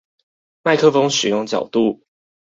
麥克風使用角度